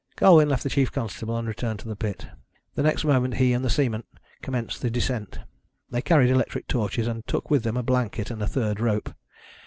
Colwyn left the chief constable and returned to the pit. The next moment he and the seaman commenced the descent. They carried electric torches, and took with them a blanket and a third rope.